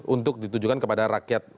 untuk ditujukan kepada rakyat